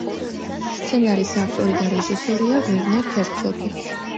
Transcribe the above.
სცენარის ავტორი და რეჟისორია ვერნერ ჰერცოგი.